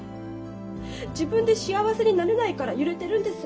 自分で幸せになれないから揺れてるんです。